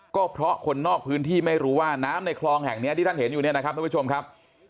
ก็เพราะคนนอกพื้นที่ไม่รู้ว่าน้ำในคลองแห่งนี้ที่ท่านเห็นอยู่เนี่ยนะครับท่านผู้ชมครับ